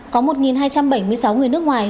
có một hai trăm bảy mươi sáu người nước ngoài